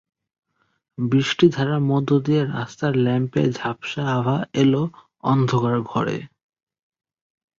বৃষ্টিধারার মধ্যে দিয়ে রাস্তার ল্যাম্পের ঝাপসা আভা এল অন্ধকার ঘরে।